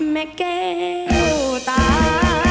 แม่เก่งตา